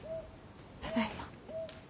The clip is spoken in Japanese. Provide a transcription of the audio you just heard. ただいま。